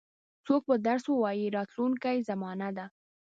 څوک به درس ووایي راتلونکې زمانه ده.